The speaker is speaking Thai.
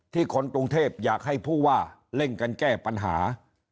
คนกรุงเทพอยากให้ผู้ว่าเร่งกันแก้ปัญหา